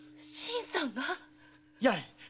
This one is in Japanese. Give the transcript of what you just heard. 八重！